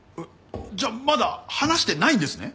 じゃあまだ話してないんですね？